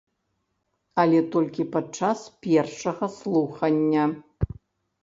Але толькі падчас першага слухання.